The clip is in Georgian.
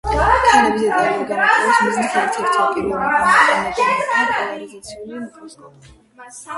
ქანების დეტალური გამოკვლევის მიზნით ერთ-ერთმა პირველმა გამოიყენა პოლარიზაციული მიკროსკოპი.